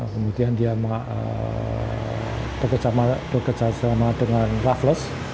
kemudian dia bekerjasama dengan raffles